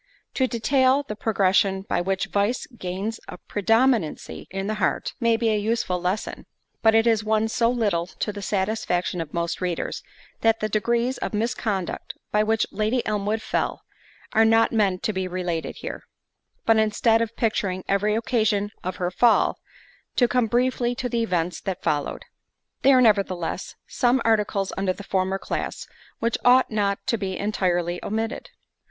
To detail the progression by which vice gains a predominancy in the heart, may be a useful lesson; but it is one so little to the satisfaction of most readers, that the degrees of misconduct by which Lady Elmwood fell, are not meant to be related here; but instead of picturing every occasion of her fall, to come briefly to the events that followed. There are, nevertheless, some articles under the former class, which ought not to be entirely omitted.